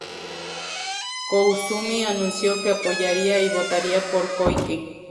Koizumi anunció que apoyaría y votaría por Koike.